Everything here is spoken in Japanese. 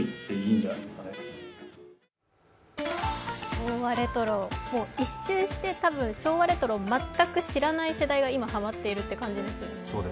昭和レトロ、一周して昭和レトロを全く知らない世代が今ハマっているという感じですよね。